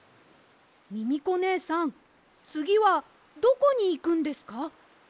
ミミコねえさんつぎはどこにいくんですか？